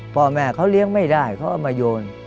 พ่อแม่เขาเลี้ยงไม่ได้เขาเอามาโยน